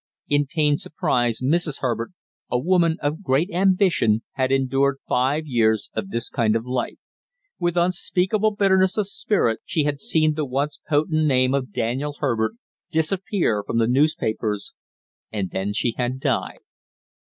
In pained surprise Mrs. Herbert, a woman of great ambition, had endured five years of this kind of life; with unspeakable bitterness of spirit she had seen the once potent name of Daniel Herbert disappear from the newspapers, and then she had died.